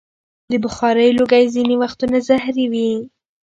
د بخارۍ لوګی ځینې وختونه زهري وي.